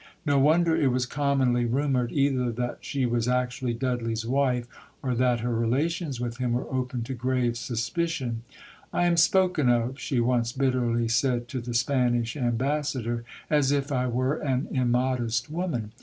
No wonder it was commonly rumoured either that she was actually Dudley's wife or that her relations with him were open to grave suspicion. "I am spoken of," she once bitterly said to the Spanish Ambassador, "as if I were an immodest woman.